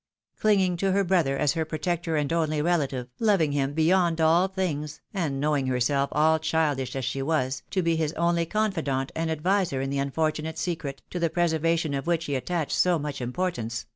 Clinging to her brother as her protector and only relative, loving him be yond all things, and knowing herself, all childish as she was, to be his only confidante and adviser in the unfortunate secret, to the preservation of which he attached so much importance, she MKS.